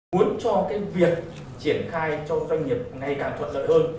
muốn cho cái việc triển khai cho doanh nghiệp ngày càng thuận lợi hơn